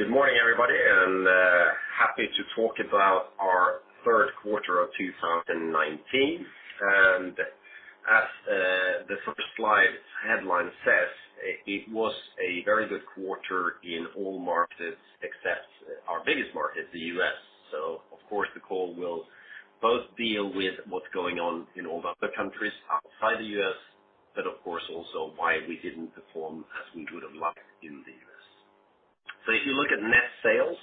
Good morning, everybody, happy to talk about our third quarter of 2019. As the first slide headline says, it was a very good quarter in all markets except our biggest market, the U.S. Of course, the call will both deal with what's going on in all the other countries outside the U.S., but of course, also why we didn't perform as we would have liked in the U.S. If you look at net sales,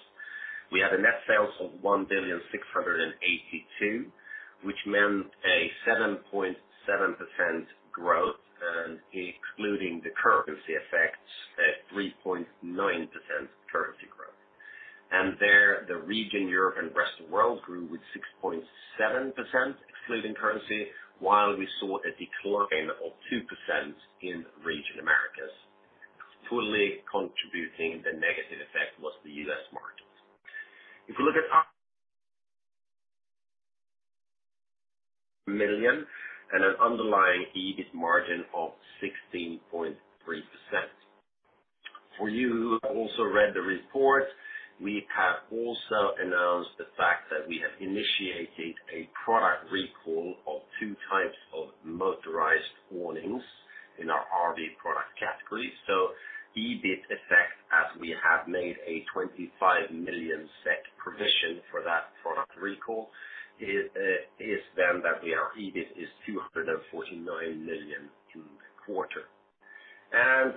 we had a net sales of 1,682 million, which meant a 7.7% growth, and excluding the currency effects, a 3.9% currency growth. There, the region Europe and rest of world grew with 6.7%, excluding currency, while we saw a decline of 2% in region Americas. Fully contributing the negative effect was the U.S. market. If you look at our million and an underlying EBIT margin of 16.3%. For you who also read the report, we have also announced the fact that we have initiated a product recall of type 2 motorized awnings in our RV product category. EBIT effect, as we have made a 25 million provision for that product recall, is that our EBIT is 249 million in the quarter.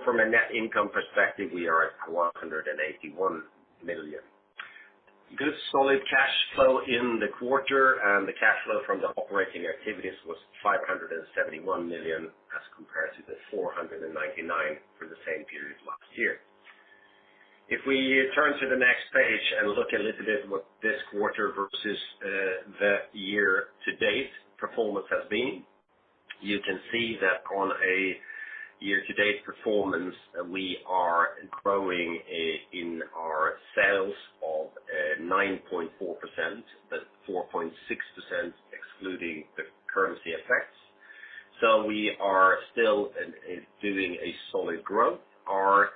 From a net income perspective, we are at 181 million. Good, solid cash flow in the quarter, the cash flow from the operating activities was 571 million as compared to the 499 million for the same period last year. If we turn to the next page and look a little bit what this quarter versus the year-to-date performance has been, you can see that on a year-to-date performance, we are growing in our sales of 9.4%, 4.6% excluding the currency effects. We are still doing a solid growth. Our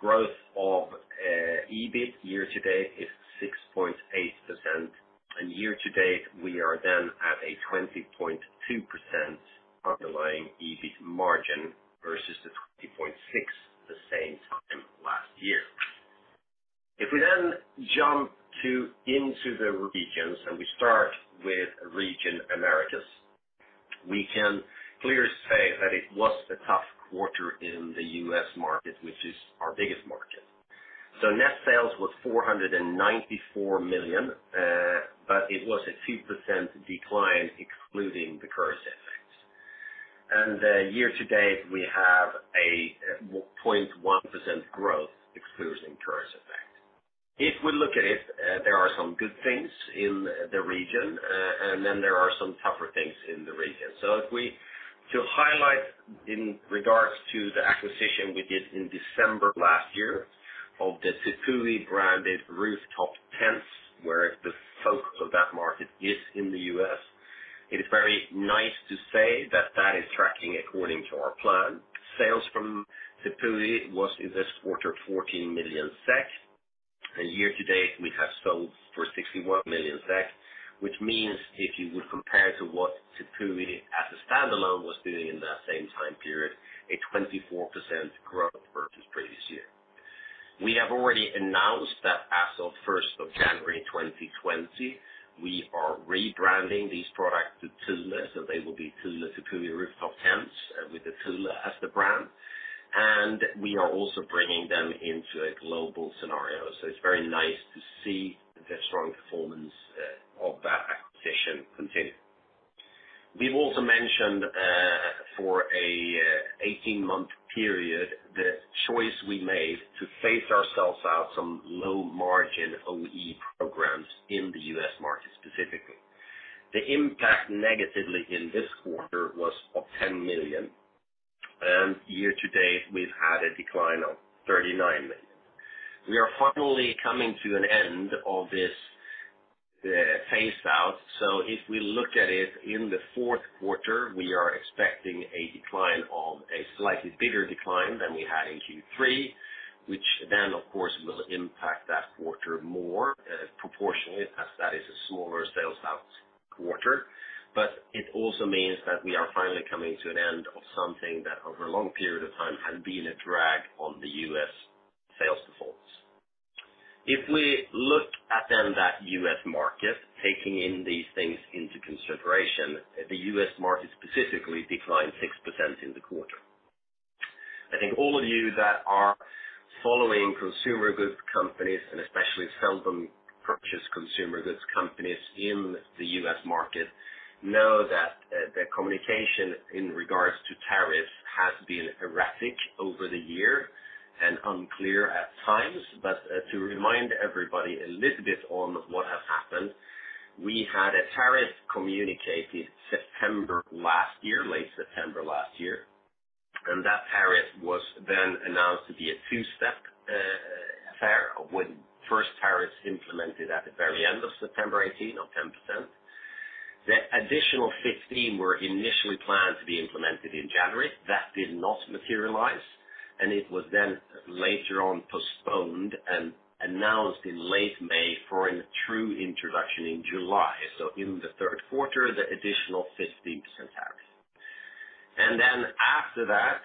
growth of EBIT year-to-date is 6.8%. Year-to-date, we are at a 20.2% underlying EBIT margin versus the 20.6% the same time last year. If we jump into the regions, we start with region Americas. We can clearly say that it was a tough quarter in the U.S. market, which is our biggest market. Net sales was 494 million. It was a 2% decline, excluding the currency effects. Year-to-date, we have a 0.1% growth excluding currency effect. If we look at it, there are some good things in the region. There are some tougher things in the region. To highlight in regards to the acquisition we did in December last year of the Tepui branded rooftop tents, where the focus of that market is in the U.S., it is very nice to say that that is tracking according to our plan. Sales from Tepui was in this quarter 14 million SEK, and year-to-date, we have sold for 61 million SEK, which means if you would compare to what Tepui as a standalone was doing in that same time period, a 24% growth versus previous year. We have already announced that as of 1st of January 2020, we are rebranding these products to Thule, so they will be Thule Tepui rooftop tents with the Thule as the brand. We are also bringing them into a global scenario. It's very nice to see the strong performance of that acquisition continue. We've also mentioned for a 18-month period, the choice we made to phase ourselves out some low margin OE programs in the U.S. market specifically. The impact negatively in this quarter was of 10 million, Year-to-date, we've had a decline of 39 million. We are finally coming to an end of this phase-out. If we look at it in the fourth quarter, we are expecting a decline of a slightly bigger decline than we had in Q3, which then, of course, will impact that quarter more proportionately as that is a smaller sales out quarter. It also means that we are finally coming to an end of something that over a long period of time has been a drag on the U.S. sales performance. If we look at then that U.S. market, taking in these things into consideration, the U.S. market specifically declined 6% in the quarter. I think all of you that are following consumer goods companies, and especially seldom purchase consumer goods companies in the U.S. market, know that the communication in regards to tariffs has been erratic over the year and unclear at times. To remind everybody a little bit on what has happened, we had a tariff communicated September last year, late September last year, and that tariff was then announced to be a two-step affair with first tariffs implemented at the very end of September 2018 of 10%. The additional 15% were initially planned to be implemented in January. That did not materialize. It was then later on postponed and announced in late May for a true introduction in July. In the third quarter, the additional 15% tariff. After that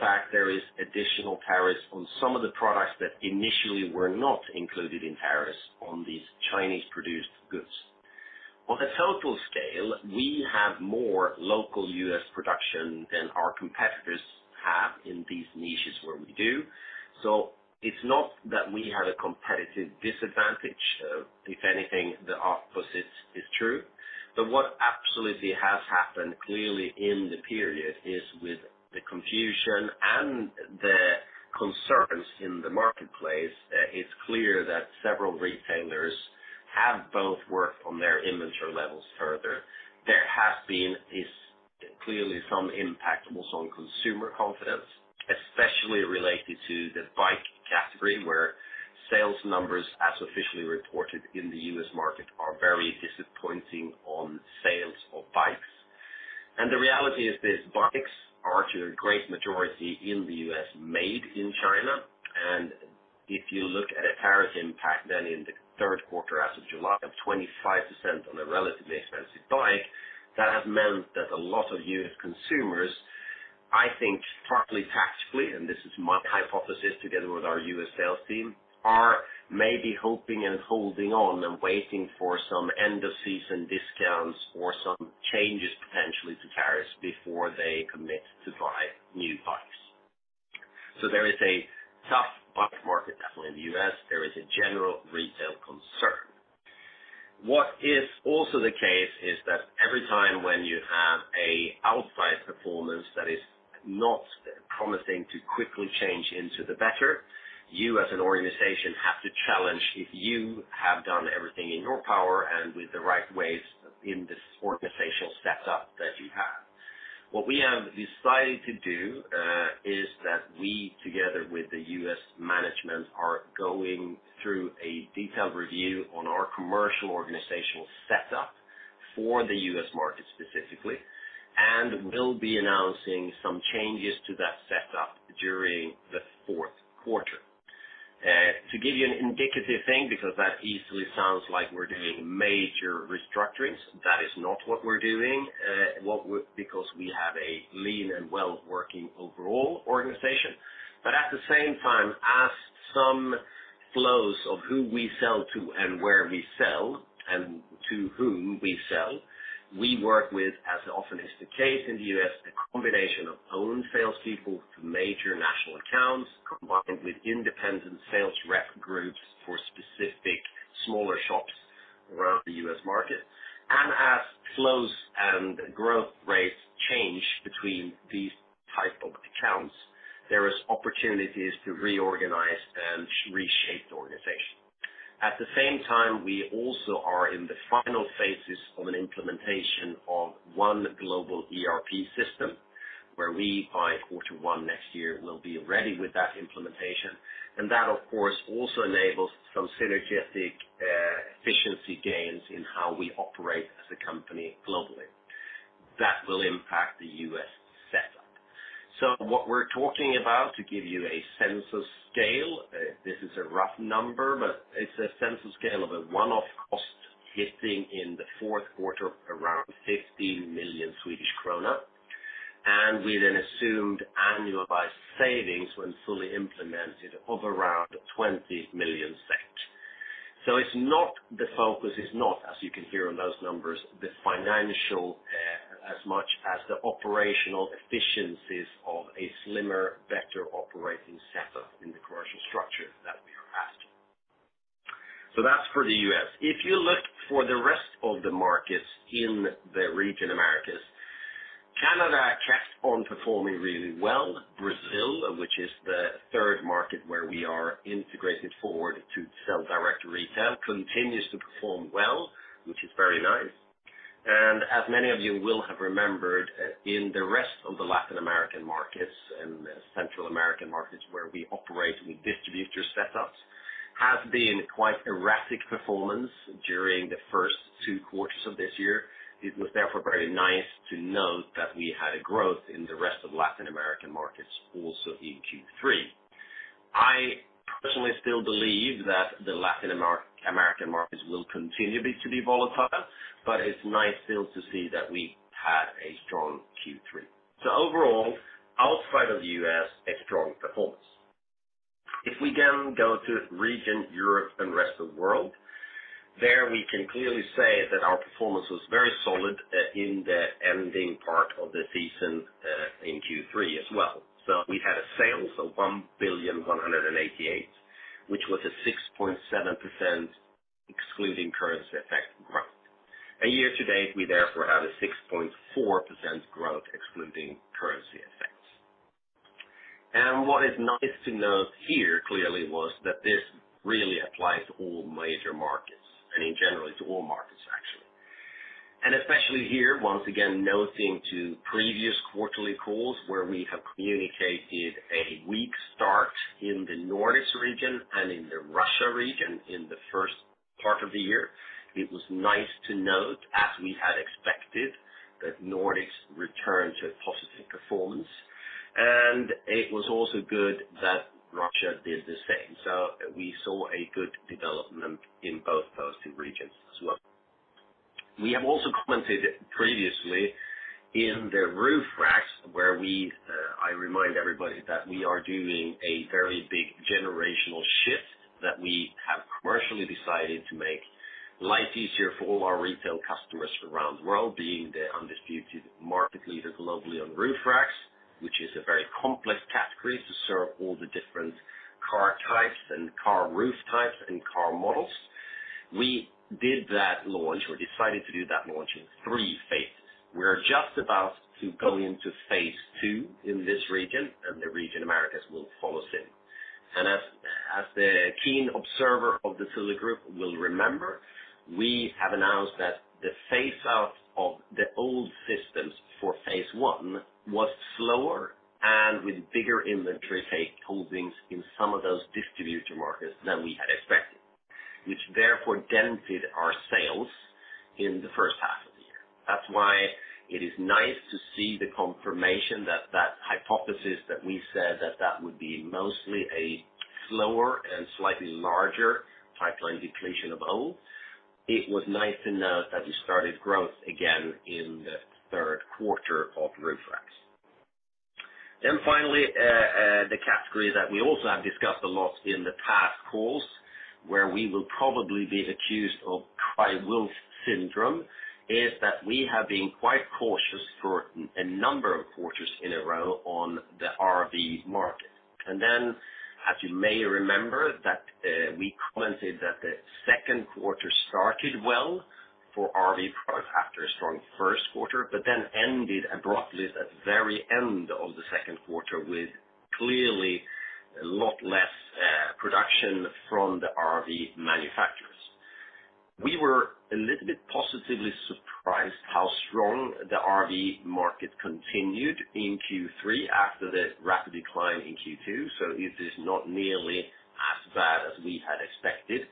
fact, there is additional tariffs on some of the products that initially were not included in tariffs on these Chinese-produced goods. On the total scale, we have more local U.S. production than our competitors have in these niches where we do. It's not that we had a competitive disadvantage. If anything, the opposite is true. What absolutely has happened, clearly, in the period is with the confusion and the concerns in the marketplace, it's clear that several retailers have both worked on their inventory levels further. There has been, clearly, some impact also on consumer confidence, especially related to the bike category, where sales numbers, as officially reported in the U.S. market, are very disappointing on sales of bikes. The reality is this, bikes are to a great majority in the U.S., made in China. If you look at a tariff impact in the third quarter as of July of 25% on a relatively expensive bike, that has meant that a lot of U.S. consumers, I think partly tactically, and this is my hypothesis together with our U.S. sales team, are maybe hoping and holding on and waiting for some end-of-season discounts or some changes potentially to tariffs before they commit to buy new bikes. There is a tough bike market definitely in the U.S. There is a general retail concern. What is also the case is that every time when you have an outsized performance that is not promising to quickly change into the better, you as an organization have to challenge if you have done everything in your power and with the right ways in this organizational setup that you have. What we have decided to do is that we together with the U.S. management, are going through a detailed review on our commercial organizational setup for the U.S. market specifically, and will be announcing some changes to that setup during the fourth quarter. To give you an indicative thing, because that easily sounds like we're doing major restructurings, that is not what we're doing, because we have a lean and well-working overall organization. At the same time, as some flows of who we sell to and where we sell and to whom we sell, we work with, as often is the case in the U.S., a combination of own salespeople to major national accounts, combined with independent sales rep groups for specific smaller shops around the U.S. market. As flows and growth rates change between these type of accounts, there is opportunities to reorganize and reshape the organization. At the same time, we also are in the final phases of an implementation of one global ERP system, where we, by quarter one next year, will be ready with that implementation. That, of course, also enables some synergistic efficiency gains in how we operate as a company globally. That will impact the U.S. setup. What we're talking about to give you a sense of scale, this is a rough number, but it's a sense of scale of a one-off cost hitting in the fourth quarter around 50 million Swedish krona. We then assumed annualized savings when fully implemented of around 20 million. The focus is not, as you can hear on those numbers, the financial as much as the operational efficiencies of a slimmer, better operating setup in the commercial structure that we are after. That's for the U.S. If you look for the rest of the markets in the region Americas, Canada kept on performing really well. Brazil, which is the third market where we are integrated forward to sell direct retail, continues to perform well, which is very nice. As many of you will have remembered in the rest of the Latin American markets and Central American markets where we operate with distributor setups, have been quite erratic performance during the first two quarters of this year. It was therefore very nice to note that we had a growth in the rest of Latin American markets also in Q3. I personally still believe that the Latin American markets will continue to be volatile, but it's nice still to see that we had a strong Q3. Overall, outside of the U.S., a strong performance. If we go to Region Europe and rest of world, there we can clearly say that our performance was very solid in the ending part of the season in Q3 as well. We had a sales of 1,188,000,000, which was a 6.7% excluding currency effect growth. Year to date, we therefore had a 6.4% growth excluding currency effects. What is nice to note here, clearly was that this really applies to all major markets and in general to all markets actually. Especially here, once again, noting to previous quarterly calls where we have communicated a weak start in the Nordics region and in the Russia region in the part of the year, it was nice to note, as we had expected, that Nordics returned to positive performance, and it was also good that Russia did the same. We saw a good development in both those two regions as well. We have also commented previously in the roof racks, I remind everybody, that we are doing a very big generational shift, that we have commercially decided to make life easier for all our retail customers around the world, being the undisputed market leader globally on roof racks, which is a very complex category to serve all the different car types and car roof types and car models. We did that launch or decided to do that launch in three phases. We're just about to go into phase 2 in this region, and the region Americas will follow soon. As the keen observer of the Thule Group will remember, we have announced that the phase out of the old systems for phase one was slower and with bigger inventory take holdings in some of those distributor markets than we had expected. Which therefore dented our sales in the first half of the year. That's why it is nice to see the confirmation that that hypothesis that we said that that would be mostly a slower and slightly larger pipeline depletion of old. It was nice to note that we started growth again in the third quarter of roof racks. Finally, the category that we also have discussed a lot in the past calls, where we will probably be accused of cry wolf syndrome, is that we have been quite cautious for a number of quarters in a row on the RV market. As you may remember, that we commented that the second quarter started well for RV product after a strong first quarter, but then ended abruptly at the very end of the second quarter with clearly a lot less production from the RV manufacturers. We were a little bit positively surprised how strong the RV market continued in Q3 after the rapid decline in Q2. It is not nearly as bad as we had expected.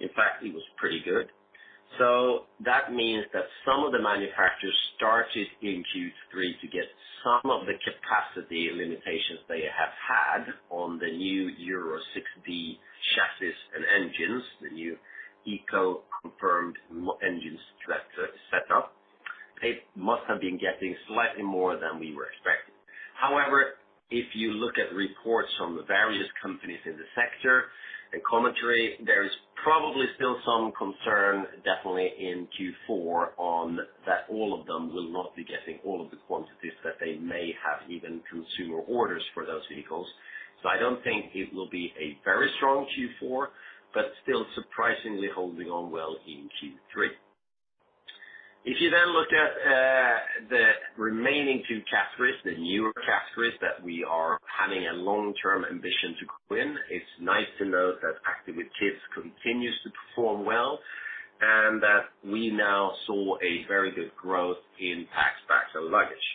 In fact, it was pretty good. That means that some of the manufacturers started in Q3 to get some of the capacity limitations they have had on the new Euro 6d chassis and engines, the new Euro-confirmed engines set up. They must have been getting slightly more than we were expecting. If you look at reports from the various companies in the sector and commentary, there is probably still some concern, definitely in Q4, on that all of them will not be getting all of the quantities that they may have even consumer orders for those vehicles. I don't think it will be a very strong Q4, but still surprisingly holding on well in Q3. If you look at the remaining two categories, the newer categories that we are having a long-term ambition to win, it's nice to note that Active with Kids continues to perform well, and that we now saw a very good growth in packed bags or luggage.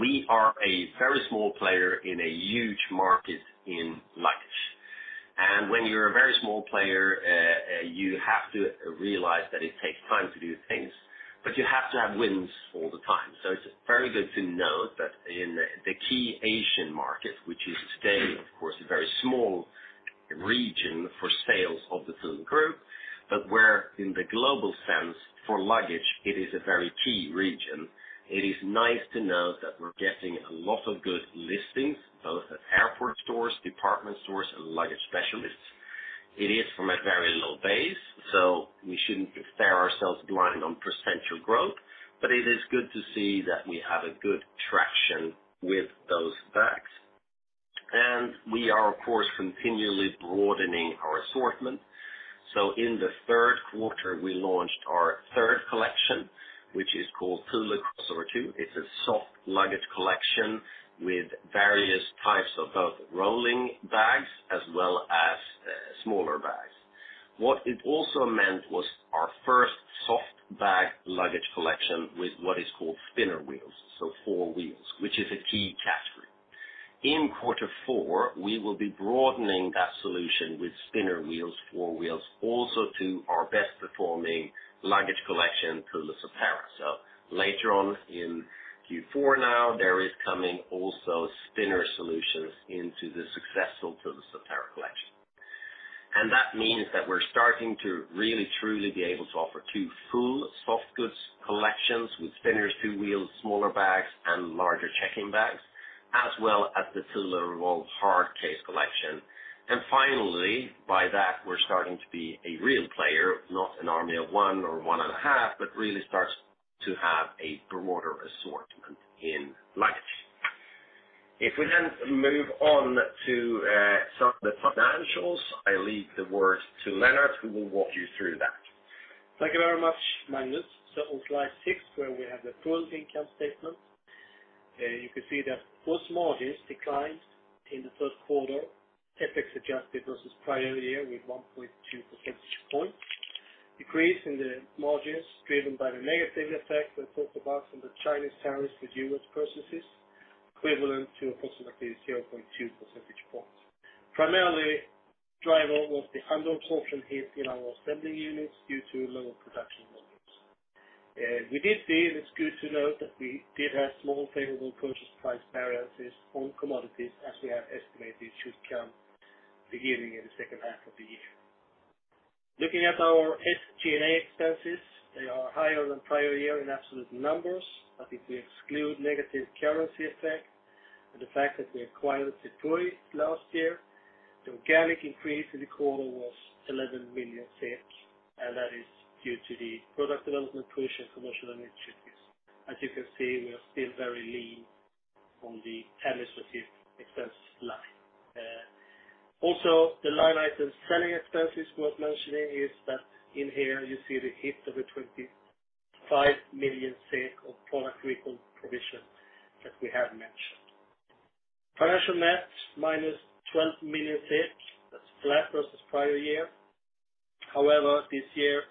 We are a very small player in a huge market in luggage. When you're a very small player, you have to realize that it takes time to do things, but you have to have wins all the time. It's very good to note that in the key Asian market, which is today, of course, a very small region for sales of Thule Group, but where in the global sense for luggage, it is a very key region. It is nice to note that we're getting a lot of good listings, both at airport stores, department stores, and luggage specialists. It is from a very low base, we shouldn't stare ourselves blind on % of growth, but it is good to see that we have a good traction with those bags. We are, of course, continually broadening our assortment. In the third quarter, we launched our third collection, which is called Thule Crossover 2. It's a soft luggage collection with various types of both rolling bags as well as smaller bags. What it also meant was our first soft bag luggage collection with what is called spinner wheels, so four wheels, which is a key category. In quarter four, we will be broadening that solution with spinner wheels, four wheels, also to our best performing luggage collection, Thule Subterra. Later on in Q4 now, there is coming also spinner solutions into the successful Thule Subterra collection. That means that we're starting to really truly be able to offer two full soft goods collections with spinners, two wheels, smaller bags, and larger check-in bags, as well as the Thule Revolve hard case collection. Finally, by that, we're starting to be a real player, not an army of one or one and a half, but really starts to have a broader assortment in luggage. We move on to some of the financials, I leave the word to Lennart, who will walk you through that. Thank you very much, Magnus. On slide six, where we have the Thule income statement, you can see that those margins declined in the first quarter, FX adjusted versus prior year with 1.2 percentage points. Decrease in the margins driven by the negative effect we talked about from the Chinese tariffs, reduced purchases, equivalent to approximately 0.2 percentage points. Primarily, driver was the underperformance hit in our assembly units due to lower production volumes. We did see, and it's good to note that we did have small favorable purchase price variances on commodities as we have estimated should come beginning in the second half of the year. Looking at our SG&A expenses, they are higher than prior year in absolute numbers. If we exclude negative currency effect and the fact that we acquired Tepui last year, the organic increase in the quarter was 11 million SEK, and that is due to the product development, Thule commercial initiatives. As you can see, we are still very lean on the administrative expense line. The line item selling expenses worth mentioning is that in here you see the hit of the 25 million SEK of product recall provision that we have mentioned. Financial net, minus 12 million SEK. That's flat versus prior year. This year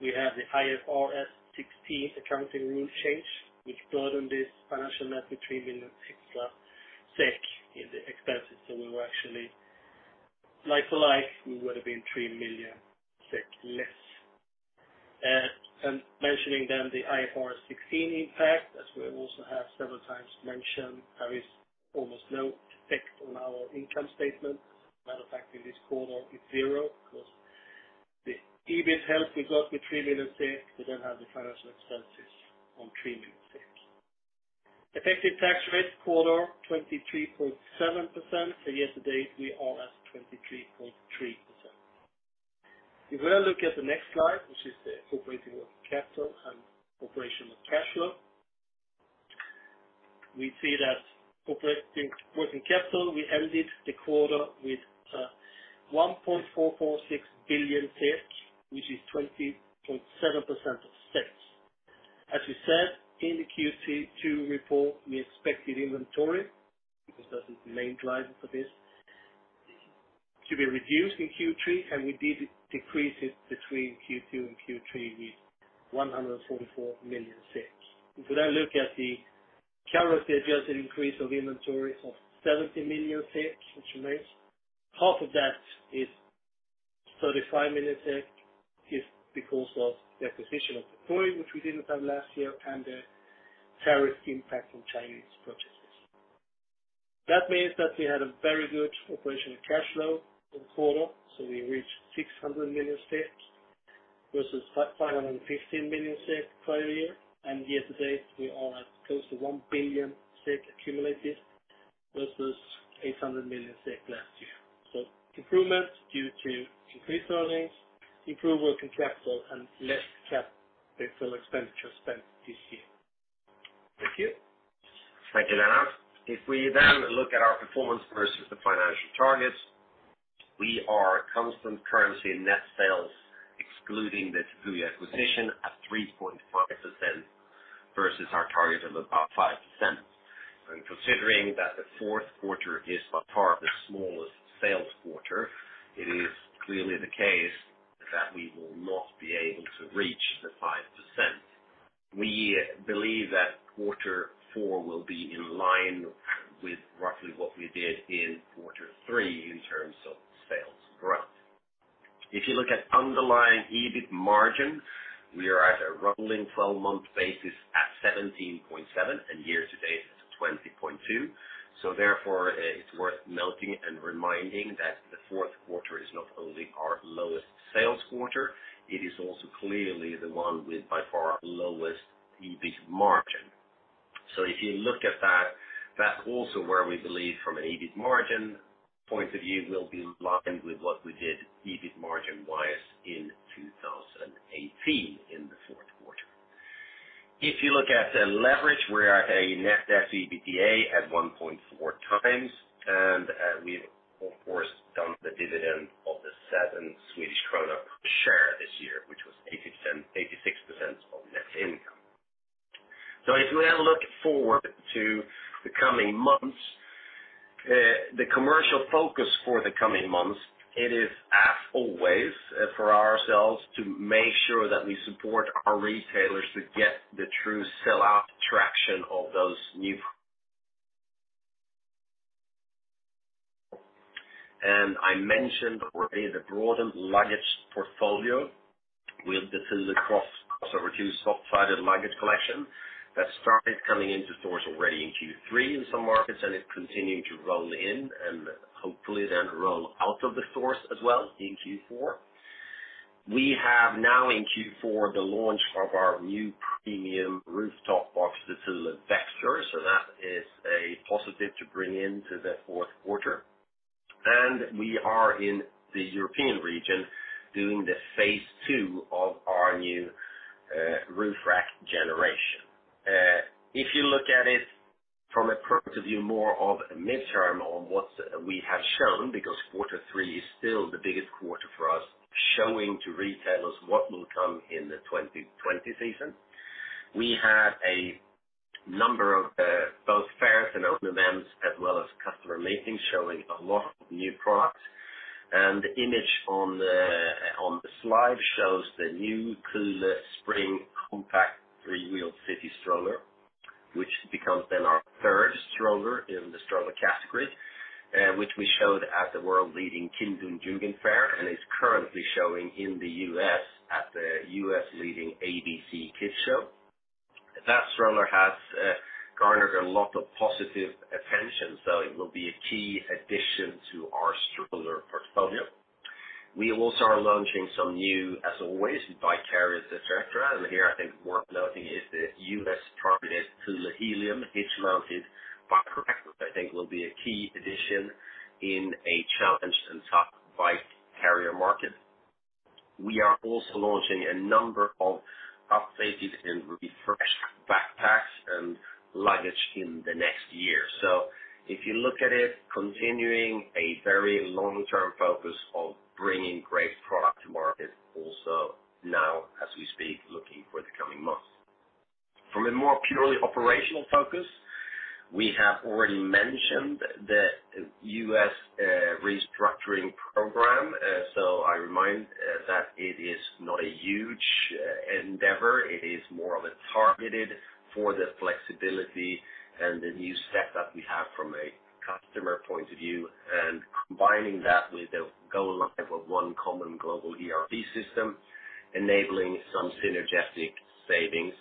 we have the IFRS 16 accounting rule change, which brought on this financial net with 3 million extra SEK in the expenses. We were actually like for like, we would have been 3 million SEK less. Mentioning then the IFRS 16 impact, as we have also several times mentioned, there is almost no effect on our income statement. Matter of fact, in this quarter it's zero because the EBIT helped us out with 3 million, we then have the financial expenses on 3 million. Effective tax rate quarter, 23.7%. Year to date, we are at 23.3%. If we now look at the next slide, which is the operating working capital and operational cash flow, we see that operating working capital, we ended the quarter with 1.446 billion, which is 20.7% of sales. As we said in the Q2 report, we expected inventory, because that is the main driver for this, to be reduced in Q3, and we did decrease it between Q2 and Q3 with 144 million. We now look at the currency-adjusted increase of inventory of 70 million which remains, half of that is 35 million is because of the acquisition of Tepui which we didn't have last year and the tariff impact on Chinese purchases. That means that we had a very good operational cash flow in the quarter, we reached 600 million SEK versus 515 million SEK prior year to date we are at close to 1 billion SEK accumulated versus 800 million SEK last year. Improvements due to increased earnings, improved working capital and less capital expenditure spent this year. Thank you. Thank you, Lennart. If we then look at our performance versus the financial targets, we are constant currency net sales excluding the Thule acquisition at 3.5% versus our target of about 5%. Considering that the fourth quarter is by far the smallest sales quarter, it is clearly the case that we will not be able to reach the 5%. We believe that quarter four will be in line with roughly what we did in quarter three in terms of sales growth. If you look at underlying EBIT margin, we are at a rolling 12-month basis at 17.7 and year to date it's 20.2, so therefore it's worth noting and reminding that the fourth quarter is not only our lowest sales quarter, it is also clearly the one with by far lowest EBIT margin. If you look at that's also where we believe from an EBIT margin point of view will be in line with what we did EBIT margin-wise in 2018 in the fourth quarter. If you look at the leverage, we are at a net debt EBITDA at 1.4 times and we've of course done the dividend of the 7 Swedish krona per share this year, which was 86% of net income. if we now look forward to the coming months, the commercial focus for the coming months, it is as always for ourselves to make sure that we support our retailers to get the true sell-out traction of those new I mentioned already the broadened luggage portfolio with the Thule Crossover 2, Thule Soft-Sided luggage collection that started coming into stores already in Q3 in some markets and it continued to roll in and hopefully then roll out of the stores as well in Q4. We have now in Q4 the launch of our new premium rooftop box, the Thule Vector, so that is a positive to bring into the fourth quarter. we are in the European region doing the phase two of our new roof rack generation. If you look at it from a point of view more of midterm on what we have shown, because quarter three is still the biggest quarter for us, showing to retailers what will come in the 2020 season. We had a number of both fairs and open houses. We're showing a lot of new product, and the image on the slide shows the new Thule Spring compact three-wheeled city stroller, which becomes then our third stroller in the stroller category, which we showed at the world-leading Kind + Jugend Fair, and is currently showing in the U.S. at the U.S. leading ABC Kids Expo. That stroller has garnered a lot of positive attention, so it will be a key addition to our stroller portfolio. We also are launching some new, as always, bike carriers, et cetera. here, I think worth noting is the U.S.-targeted Thule Helium hitch-mounted bike rack, which I think will be a key addition in a challenged and tough bike carrier market. We are also launching a number of updated and refreshed backpacks and luggage in the next year. if you look at it, continuing a very long-term focus of bringing great product to market also now as we speak, looking for the coming months. From a more purely operational focus, we have already mentioned the U.S. restructuring program. I remind that it is not a huge endeavor. It is more of a targeted for the flexibility and the new setup we have from a customer point of view, and combining that with the go-live of one common global ERP system, enabling some synergistic savings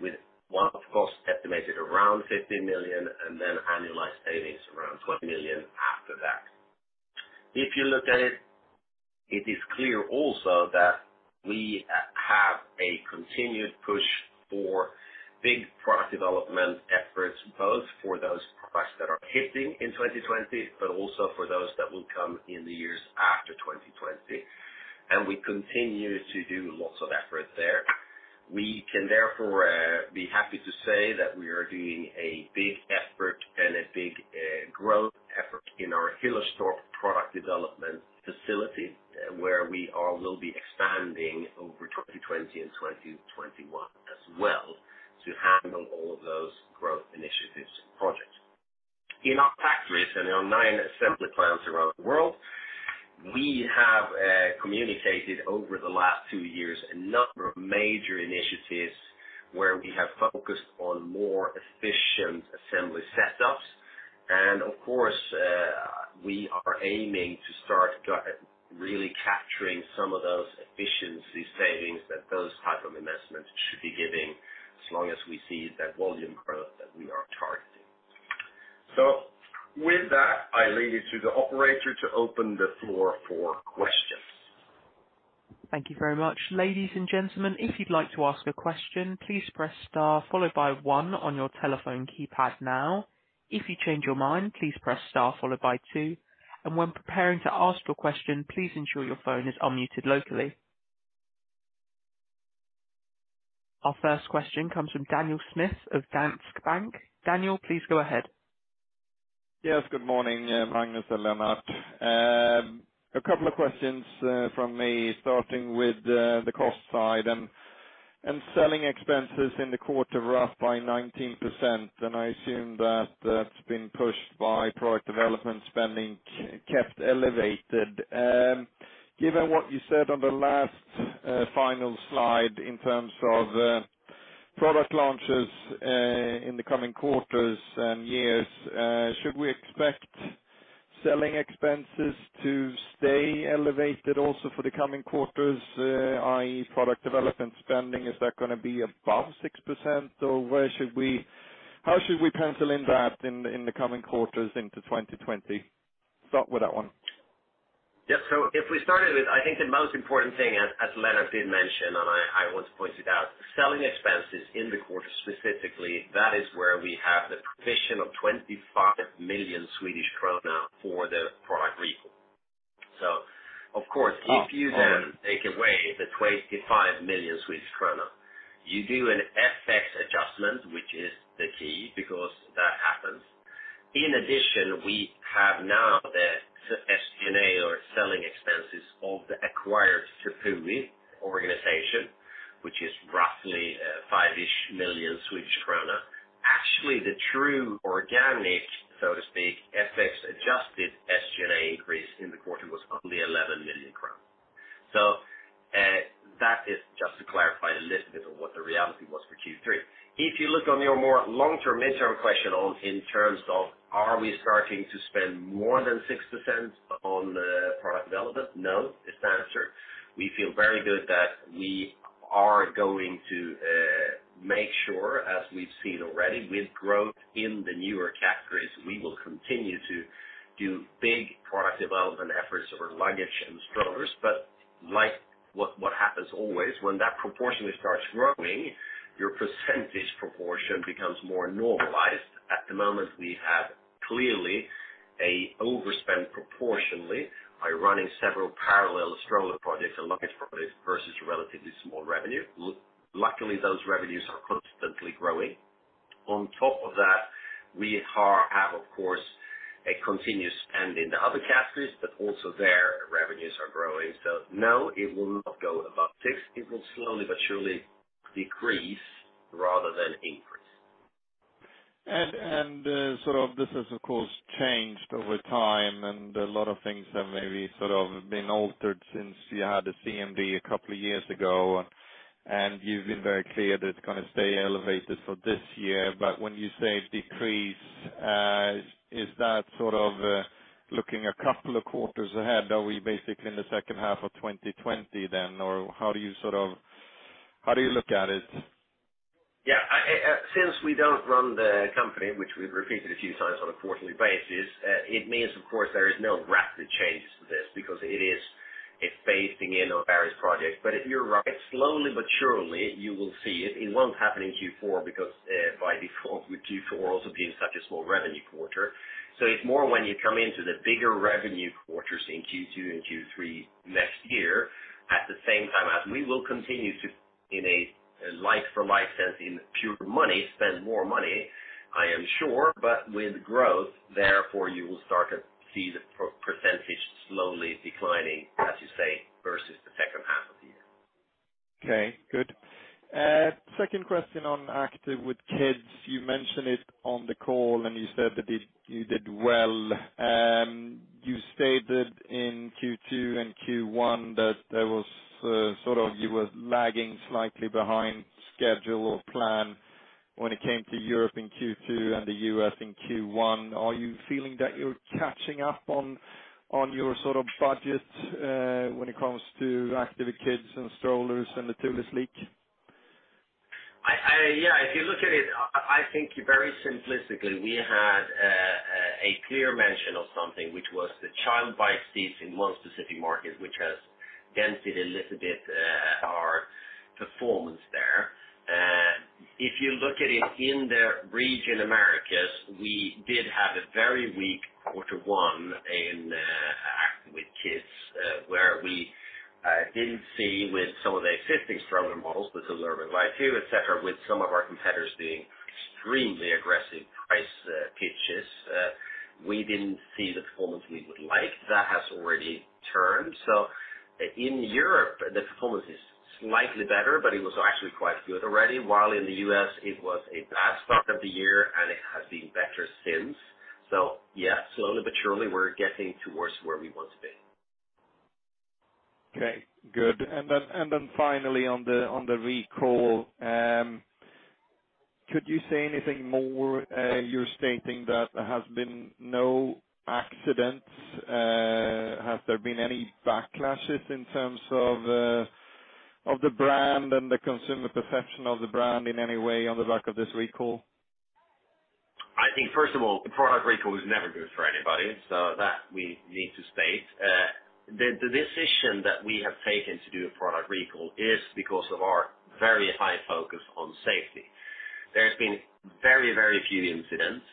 with one-off cost estimated around 50 million, and then annualized savings around 20 million after that. If you look at it is clear also that we have a continued push for big product development efforts, both for those products that are hitting in 2020, but also for those that will come in the years after 2020. We continue to do lots of effort there. We can therefore be happy to say that we are doing a big effort and a big growth effort in our Hillerstorp product development facility, where we all will be expanding over 2020 and 2021 as well to handle all of those growth initiatives and projects. In our factories and our nine assembly plants around the world, we have communicated over the last two years a number of major initiatives where we have focused on more efficient assembly setups. Of course, we are aiming to start really capturing some of those efficiency savings that those type of investments should be giving as long as we see that volume growth that we are targeting. With that, I lead you to the operator to open the floor for questions. Thank you very much. Ladies and gentlemen, if you'd like to ask a question, please press star followed by one on your telephone keypad now. If you change your mind, please press star followed by two, and when preparing to ask your question, please ensure your phone is unmuted locally. Our first question comes from Daniel Schmidt of Danske Bank. Daniel, please go ahead. Yes, good morning, Magnus and Lennart. A couple of questions from me, starting with the cost side and selling expenses in the quarter were up by 19%, and I assume that that's been pushed by product development spending kept elevated. Given what you said on the last final slide in terms of product launches in the coming quarters and years, should we expect selling expenses to stay elevated also for the coming quarters, i.e., product development spending? Is that going to be above 6%? How should we pencil in that in the coming quarters into 2020? Start with that one. Yeah. if we started with, I think the most important thing as Lennart did mention, and I want to point it out, selling expenses in the quarter specifically, that is where we have the provision of 25 million Swedish krona for the product recall. of course, if you then take away the 25 million Swedish kronor, you do an FX adjustment, which is the key because that happens. In addition, we have now the SG&A or selling expenses of the acquired Tepui organization, which is roughly 5 million Swedish krona-ish. Actually, the true organic, so to speak, FX-adjusted SG&A increase in the quarter was only 11 million crowns. that is just to clarify a little bit of what the reality was for Q3. If you look on your more long-term, midterm question in terms of are we starting to spend more than 6% on product development? No, is the answer. We feel very good that we are going to make sure, as we've seen already with growth in the newer categories, we will continue to do big product development efforts over luggage and strollers. like what happens always when that proportionally starts growing, your percentage proportion becomes more normalized. At the moment, we have clearly a overspend proportionally by running several parallel stroller projects and luggage projects versus relatively small revenue. Luckily, those revenues are constantly growing. On top of that, we have, of course, a continuous spend in the other categories, but also their revenues are growing. no, it will not go above six. It will slowly but surely decrease rather than increase. this has, of course, changed over time, and a lot of things have maybe been altered since you had the CMD a couple of years ago, and you've been very clear that it's going to stay elevated for this year. when you say decrease, is that looking a couple of quarters ahead? Are we basically in the second half of 2020 then? how do you look at it? Yeah. Since we don't run the company, which we've repeated a few times on a quarterly basis, it means, of course, there is no rapid change to this because it is a phasing in of various projects. You're right, slowly but surely, you will see it. It won't happen in Q4 because, by default, Q4 also being such a small revenue quarter. It's more when you come into the bigger revenue quarters in Q2 and Q3 next year. At the same time as we will continue to, in a like for like sense, in pure money, spend more money, I am sure. With growth, therefore, you will start to see the percentage slowly declining, as you say, versus the second half of the year. Okay, good. Second question on Active with Kids. You mentioned it on the call, and you said that you did well. You stated in Q2 and Q1 that you were lagging slightly behind schedule or plan when it came to Europe in Q2 and the U.S. in Q1. Are you feeling that you're catching up on your budget when it comes to Active with Kids and strollers and the Thule Sleek? Yeah. If you look at it, I think very simplistically, we had a clear mention of something, which was the child bike seats in one specific market, which has dented a little bit our performance there. If you look at it in the region Americas, we did have a very weak quarter one in Active with Kids, where we didn't see with some of the existing stroller models, the Urban Glide 2, et cetera, with some of our competitors being extremely aggressive price pitches. We didn't see the performance we would like. That has already turned. In Europe, the performance is slightly better, but it was actually quite good already. While in the U.S., it was a bad start of the year, and it has been better since. Yeah, slowly but surely we're getting towards where we want to be. Okay, good. Finally on the recall, could you say anything more? You're stating that there has been no accidents. Has there been any backlashes in terms of the brand and the consumer perception of the brand in any way on the back of this recall? I think, first of all, a product recall is never good for anybody. That we need to state. The decision that we have taken to do a product recall is because of our very high focus on safety. There's been very few incidents,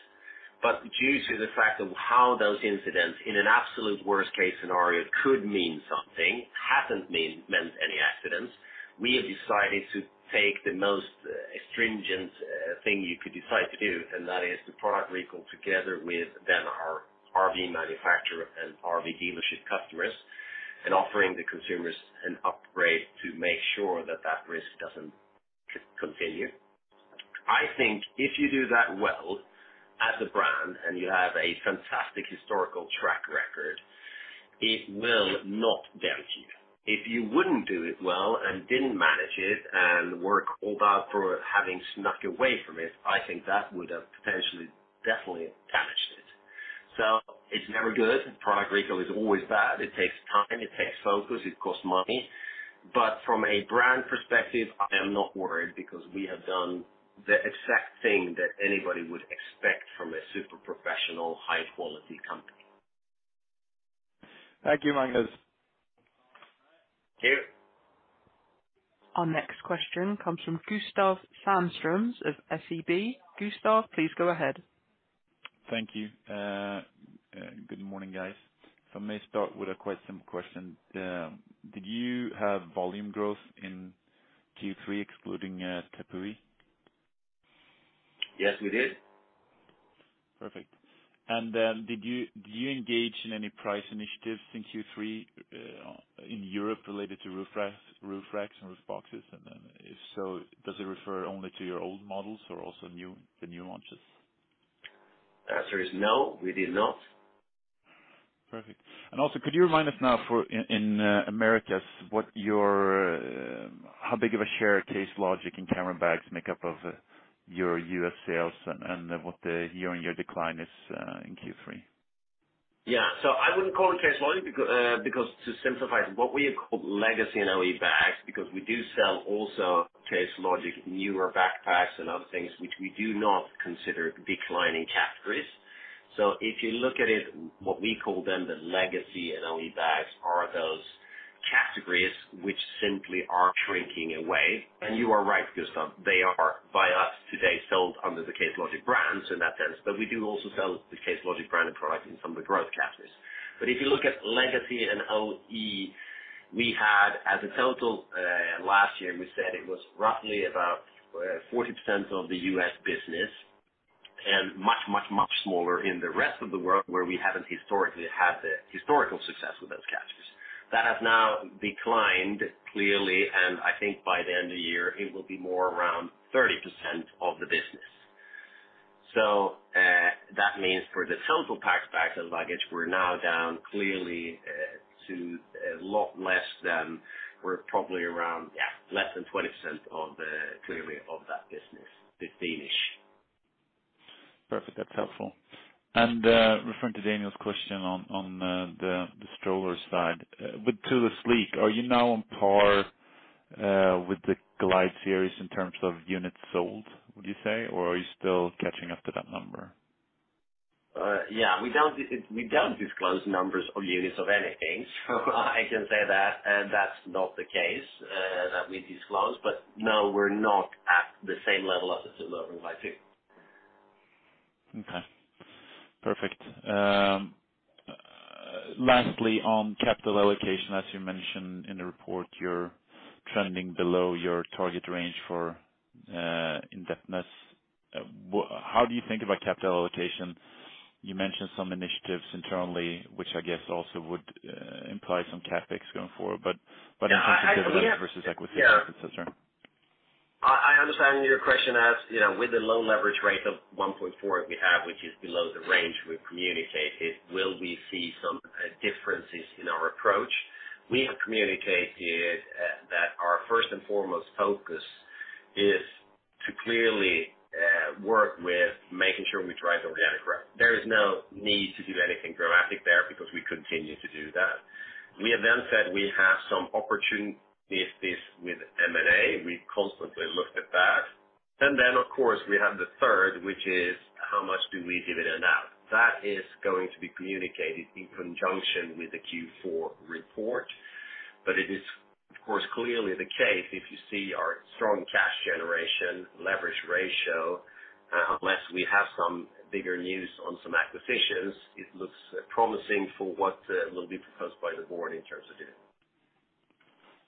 but due to the fact of how those incidents, in an absolute worst-case scenario, could mean something, hasn't meant any accidents, we have decided to take the most stringent thing you could decide to do, and that is the product recall together with then our RV manufacturer and RV dealership customers, and offering the consumers an upgrade to make sure that that risk doesn't continue. I think if you do that well as a brand and you have a fantastic historical track record, it will not damage you. If you wouldn't do it well and didn't manage it and were called out for having snuck away from it, I think that would have potentially definitely damaged it. It's never good. Product recall is always bad. It takes time, it takes focus, it costs money. From a brand perspective, I am not worried because we have done the exact thing that anybody would expect from a super professional, high-quality company. Thank you, Magnus. Thank you. Our next question comes from Gustav Sandström of SEB. Gustav, please go ahead. Thank you. Good morning, guys. I may start with a quite simple question. Did you have volume growth in Q3 excluding Tepui? Yes, we did. Perfect. Did you engage in any price initiatives in Q3 in Europe related to roof racks and roof boxes? If so, does it refer only to your old models or also the new launches? The answer is no, we did not. Perfect. also, could you remind us now in Americas, how big of a share Case Logic and camera bags make up of your U.S. sales and what the year-on-year decline is in Q3? Yeah. I wouldn't call it Case Logic because to simplify, what we have called legacy and OE bags, because we do sell also Case Logic newer backpacks and other things which we do not consider declining categories. If you look at it, what we call then the legacy and OE bags are those categories which simply are shrinking away. You are right, Gustav, they are by us today sold under the Case Logic brand, so in that sense. We do also sell the Case Logic brand of product in some of the growth categories. If you look at legacy and OE, we had as a total, last year we said it was roughly about 40% of the U.S. business, much smaller in the rest of the world, where we haven't historically had the historical success with those categories. That has now declined clearly, and I think by the end of the year it will be more around 30% of the business. That means for the Thule pack bags and luggage, we're probably around less than 20% clearly of that business, the finish. Perfect. That's helpful. referring to Daniel's question on the stroller side, with Thule Sleek, are you now on par with the Glide series in terms of units sold, would you say? are you still catching up to that number? Yeah. We don't disclose numbers or units of anything. I can say that's not the case, that we disclose. No, we're not at the same level as the Sleek or Glide series. Okay. Perfect. Lastly, on capital allocation, as you mentioned in the report, you're trending below your target range for indebtedness. How do you think about capital allocation? You mentioned some initiatives internally, which I guess also would imply some CapEx going forward. In terms of dividend versus equity, et cetera. I understand your question as, with the low leverage rate of 1.4 we have, which is below the range we communicated, will we see some differences in our approach? We have communicated that our first and foremost focus is to clearly work with making sure we drive organic growth. There is no need to do anything dramatic there because we continue to do that. We have then said we have some opportunities with M&A. We've constantly looked at that. Of course, we have the third, which is how much do we dividend out? That is going to be communicated in conjunction with the Q4 report. It is of course clearly the case if you see our strong cash generation leverage ratio, unless we have some bigger news on some acquisitions, it looks promising for what will be proposed by the board in terms of dividend.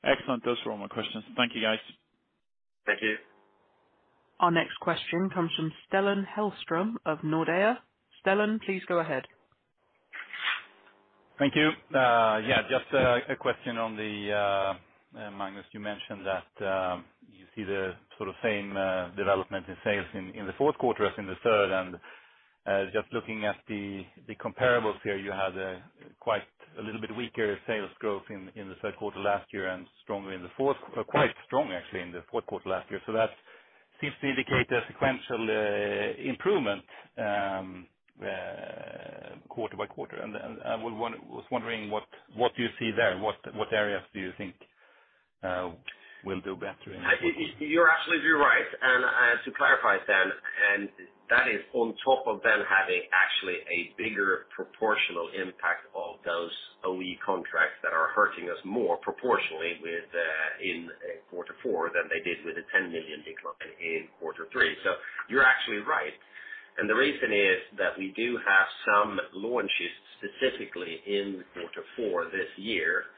Excellent. Those were all my questions. Thank you, guys. Thank you. Our next question comes from Stellan Hellström of Nordea. Stellan, please go ahead. Thank you. Yeah, just a question on Magnus, you mentioned that you see the same development in sales in the fourth quarter as in the third. Just looking at the comparables here, you had quite a little bit weaker sales growth in the third quarter last year and stronger in the fourth. Quite strong actually in the fourth quarter last year. That seems to indicate a sequential improvement quarter by quarter. I was wondering what do you see there? What areas do you think will do better in the fourth quarter? You're absolutely right. To clarify, Stellan, and that is on top of then having actually a bigger proportional impact of those OE contracts that are hurting us more proportionally in quarter four than they did with the 10 million decline in quarter three. You're actually right. The reason is that we do have some launches specifically in quarter four this year,